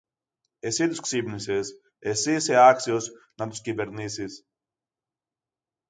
Εσύ τους ξύπνησες, εσύ είσαι άξιος να τους κυβερνήσεις!